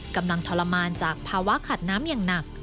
กำลังทรมานจากภาวะขัดน้ำอย่างหนัก